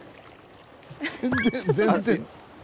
全然全然。